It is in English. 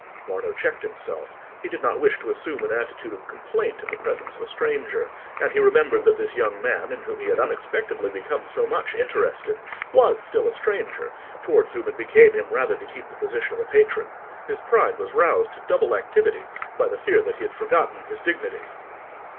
Bardo checked himself: he did not wish to assume an attitude of complaint in the presence of a stranger, and he remembered that this young man, in whom he had unexpectedly become so much interested, was still a stranger, towards whom it became him rather to keep the position of a patron. His pride was roused to double activity by the fear that he had forgotten his dignity.